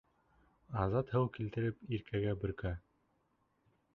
Азат һыу килтереп Иркәгә бөркә.